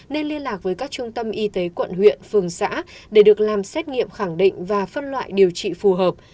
nên liên lạc với các trung tâm y tế quận huyện phường xã để được làm xét nghiệm khẳng định và phân loại điều trị phù hợp